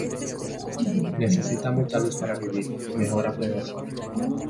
Necesita mucha luz para vivir, mejor a pleno sol.